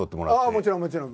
もちろんもちろん。